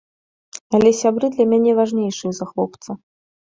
Але сябры для мяне важнейшыя за хлопца.